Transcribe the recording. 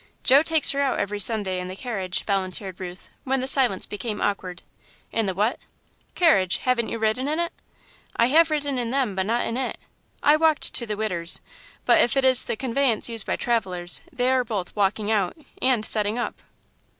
"Joe takes her out every Sunday in the carriage," volunteered Ruth, when the silence became awkward. "In the what?" "Carriage haven't you ridden in it?" "I have ridden in them, but not in it. I walked to the 'Widder's,' but if it is the conveyance used by travellers, they are both 'walking out' and 'settin' up.'"